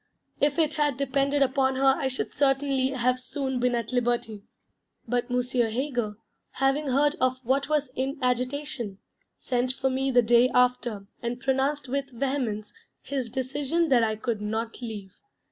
If it had depended upon her I should certainly have soon been at liberty. But M. Heger having heard of what was in agitation, sent for me the day after and pronounced with vehemence his decision that I could not leave.